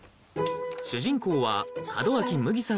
主人公は門脇麦さん